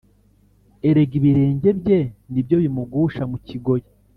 erega ibirenge bye ni byo bimugusha mu kigoyi